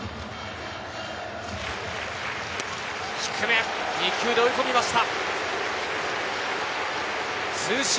低め、２球で追い込みました。